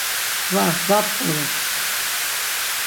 Var va p̌qorop.